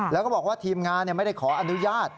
แล้วก็บอกว่าทีมงานไม่ได้ขออนุญาต